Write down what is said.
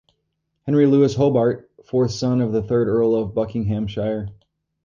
Henry Lewis Hobart, fourth son of the third Earl of Buckinghamshire.